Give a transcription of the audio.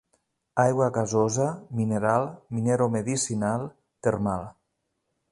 Aigua gasosa, mineral, mineromedicinal, termal.